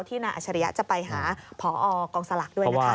ที่นาอัชริยะจะไปหาพอกองสลักด้วย